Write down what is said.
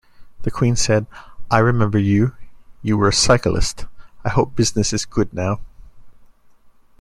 The Queen said, 'I remember you-you were a cyclist-I hope business is good now'.